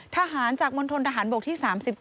ทหารจากมณฑนทหารบกที่๓๙